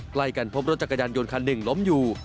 ใกล้กันพบรถจักรยานยนต์คันหนึ่งล้มอยู่